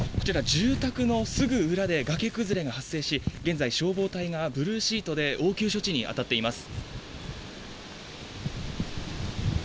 住宅のすぐ裏で崖崩れが発生し現在、消防隊がブルーシートで応急処置に当たっています。